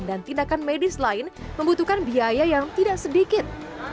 dan tindakan medis lain membutuhkan biaya yang tidak sedikit